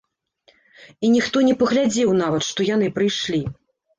І ніхто не паглядзеў нават, што яны прыйшлі.